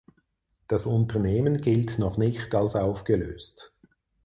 Das Unternehmen gilt noch nicht als aufgelöst.